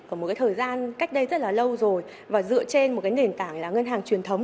ở một thời gian cách đây rất lâu rồi và dựa trên một nền tảng là ngân hàng truyền thống